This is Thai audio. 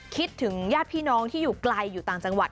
คิดถึงญาติพี่น้องที่อยู่ไกลอยู่ต่างจังหวัด